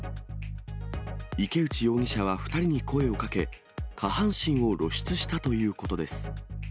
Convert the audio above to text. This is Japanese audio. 池内容疑者は２人に声をかけ、下半身を露出したということです。